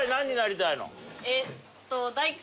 えっと。